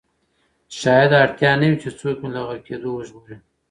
شاید اړتیا نه وي چې څوک مې له غرقېدو وژغوري.